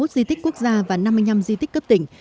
hai mươi di tích quốc gia và năm mươi năm di tích cấp tỉnh